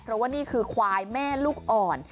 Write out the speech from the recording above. เพราะว่านี่คือควายแม่ลูกอ่อน